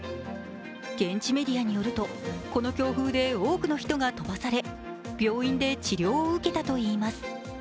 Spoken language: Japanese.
現地メディアによると、この強風で多くの人が飛ばされ病院で治療を受けたといいます。